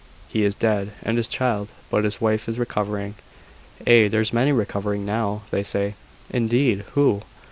"He is dead and his child: but his wife is recovering." "Ay, there's many recovering now, they say." "Indeed! who?"